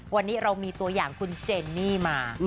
วันนี้เรามีตัวอย่างคุณเจนนี่มา